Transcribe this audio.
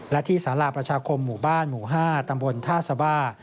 และที่สาราประชาคมหมู่บ้านหมู่๕ตำบลท่าสบา